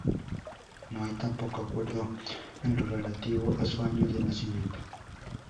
No hay tampoco acuerdo en lo relativo a su año de nacimiento.